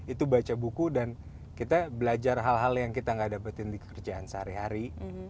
itu baca buku dan kita belajar hal hal yang kita gak dapetin di kerjaan sehari hari